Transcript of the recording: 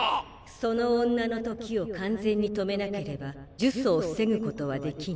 その女の時を完全に止めなければ呪詛を防ぐことはできぬ。